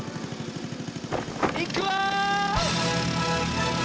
いくわ！